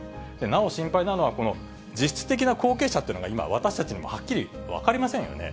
なお心配なのは、実質的な後継者というのが今、私たちにもはっきり分かりませんよね。